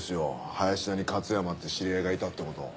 林田に勝山って知り合いがいたって事。